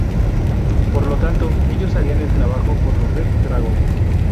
Por lo tanto ellos harían el trabajo por los Red Dragón.